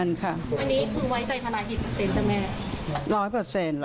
อันนี้คือไว้ใจทนายกฤษณะหรือเปอร์เซ็นต์จ้ะแม่